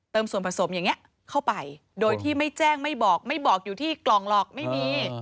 ส่วนผสมอย่างนี้เข้าไปโดยที่ไม่แจ้งไม่บอกไม่บอกอยู่ที่กล่องหรอกไม่มี